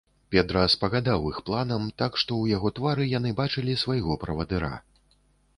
Педра спагадаў іх планам, так што ў яго твары яны бачылі свайго правадыра.